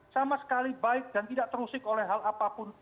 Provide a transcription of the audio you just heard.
sama sekali baik dan tidak terusik oleh hal apapun